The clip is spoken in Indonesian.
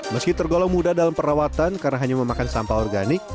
meski tergolong mudah dalam perawatan karena hanya memakan sampah organik